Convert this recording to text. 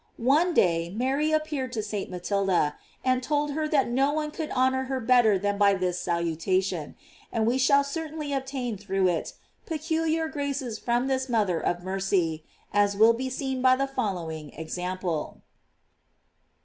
One day Mary appeared to St. Matilda, and told her that no one could honor her better than by this salutation; and we shall certainly obtain through it, peculiar graces from this mother of mercy, as will be seen by the following ex ample.